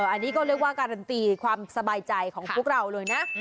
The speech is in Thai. อันนี้ก็เรียกว่าการันตีความสบายใจของพวกเราเลยนะ